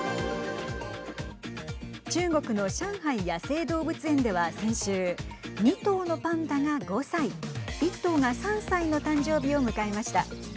中国の上海野生動物園では先週２頭のパンダが５歳１頭が３歳の誕生日を迎えました。